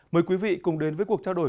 mời quý vị cùng đến với cuộc trao đổi